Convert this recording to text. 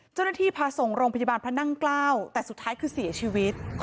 เจ้าหน้าที่พาส่งโรงพยาบาลพระนั่งเกล้าแต่สุดท้ายคือเสียชีวิต